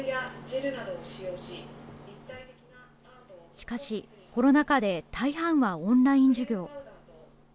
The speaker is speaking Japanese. しかし、コロナ禍で大半はオンライン授業。